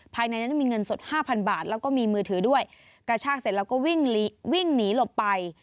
ภายในนั้นมีเงินสดห้าพันบาทแล้วก็มีมือถือด้วยกระชากเสร็จแล้วก็วิ่งวิ่งหนีหลบไป